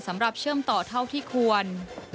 สำหรับเชื่อมต่อเท่าที่ควร